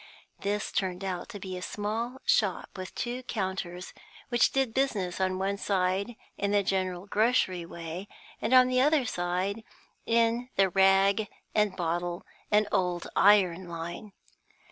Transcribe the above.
This turned out to be a small shop with two counters, which did business on one side in the general grocery way, and on the other in the rag and bottle and old iron line.